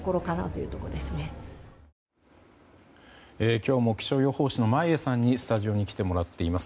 今日も気象予報士の眞家さんにスタジオに来てもらっています。